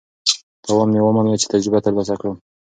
تاوان مې ومنلو چې تجربه ترلاسه کړم.